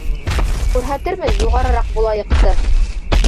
Күрһәтермен «юғарыраҡ булайыҡ»ты.